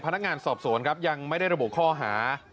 พนักงานสอบสวนครับยังไม่ได้ระบุข้อหา